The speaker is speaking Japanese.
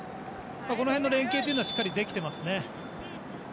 この辺の連係はしっかりできていますね。